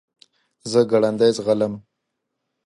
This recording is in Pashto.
زه ګړندی ځغلم .